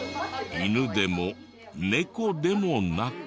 犬でも猫でもなく。